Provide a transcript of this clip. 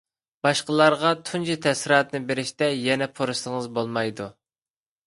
باشقىلارغا تۇنجى تەسىراتنى بېرىشتە يەنە پۇرسىتىڭىز بولمايدۇ.